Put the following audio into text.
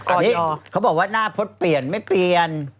อันนี้เขาบอกว่าหน้าพจน์เปลี่ยนไม่เปลี่ยน